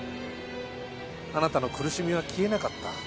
あなたの苦しみは消えなかった。